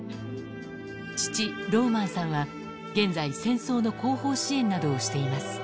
父、ローマンさんは現在、戦争の後方支援などをしています。